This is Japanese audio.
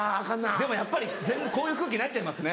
でもやっぱりこういう空気になっちゃいますね。